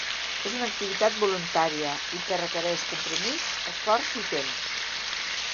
És una activitat voluntària i que requereix compromís, esforç i temps.